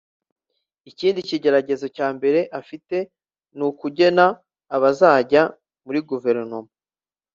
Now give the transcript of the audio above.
Ikindi kigeragezo cya mbere afite ni ukugena abazajya muri Guverinoma